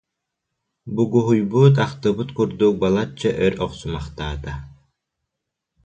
Бугуһуйбут, ахтыбыт курдук, балачча өр охсумахтаата